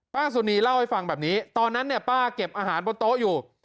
สุนีเล่าให้ฟังแบบนี้ตอนนั้นเนี่ยป้าเก็บอาหารบนโต๊ะอยู่